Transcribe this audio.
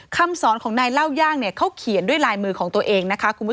คำสอนของนายเล่าย่างเขาเขียนด้วยลายมือของตัวเอง